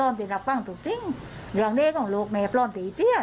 อย่างนี้ของลูกแม่พร้อมเตะเชียร์